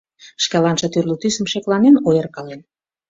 Шкаланже тӱрлӧ тӱсым шекланен ойыркален.